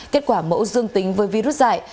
kết quả mẫu dương tính với virus dại